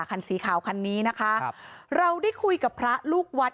คันสีขาวคันนี้นะคะครับเราได้คุยกับพระลูกวัด